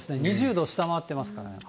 ２０度を下回ってますからね。